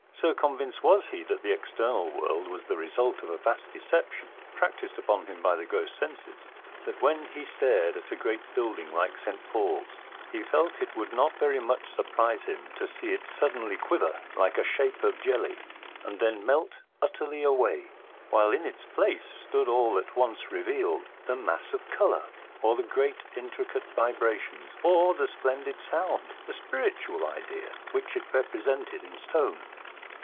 So convinced was he that the external world was the result of a vast deception practised upon him by the gross senses, that when he stared at a great building like St. Paul's he felt it would not very much surprise him to see it suddenly quiver like a shape of jelly and then melt utterly away, while in its place stood all at once revealed the mass of colour, or the great intricate vibrations, or the splendid sound the spiritual idea which it represented in stone.